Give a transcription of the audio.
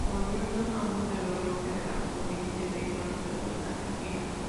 Oriundos ambos del oeste de la provincia de Buenos Aires, Argentina.